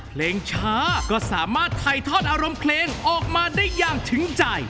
เพลงช้าก็สามารถถ่ายทอดอารมณ์เพลงออกมาได้อย่างถึงใจ